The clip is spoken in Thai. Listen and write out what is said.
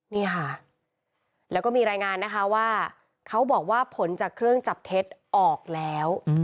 นี่ค่ะแล้วก็มีรายงานนะคะว่าเขาบอกว่าผลจากเครื่องจับเท็จออกแล้ว